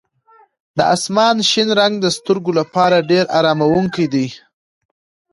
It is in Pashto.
د اسمان شین رنګ د سترګو لپاره ډېر اراموونکی دی.